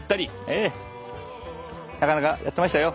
ええなかなかやってましたよ。